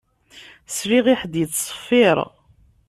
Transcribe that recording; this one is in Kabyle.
Sliɣ i ḥedd yettṣeffiṛ